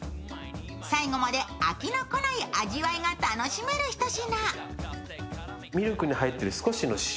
最後まで飽きの来ない味わいが楽しめるひと品。